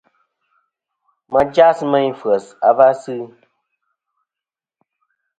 Ma jas meyn f̀yes a va sɨ.